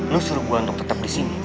lo suruh gue untuk tetap disini